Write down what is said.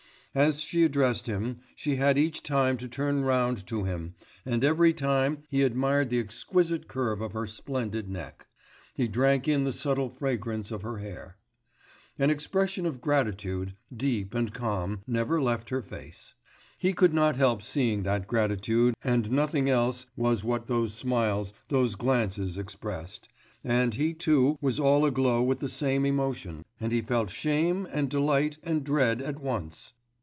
As she addressed him, she had each time to turn round to him, and every time he admired the exquisite curve of her splendid neck, he drank in the subtle fragrance of her hair. An expression of gratitude, deep and calm, never left her face; he could not help seeing that gratitude and nothing else was what those smiles, those glances expressed, and he too was all aglow with the same emotion, and he felt shame, and delight and dread at once